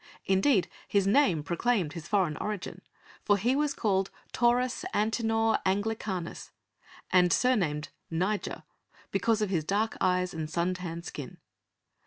Indeed his name proclaimed his foreign origin, for he was called Taurus Antinor Anglicanus, and surnamed Niger because of his dark eyes and sun tanned skin.